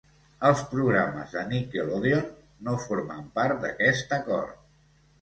Els programes de Nickelodeon no formen part d'aquest acord.